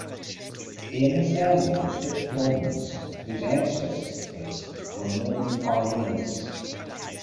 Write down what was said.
He and his family were strict Mormons, whose ancestors were Mormon pioneers.